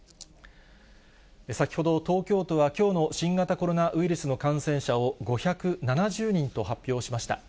先ほど、東京都はきょうの新型コロナウイルスの感染者を５７０人と発表しました。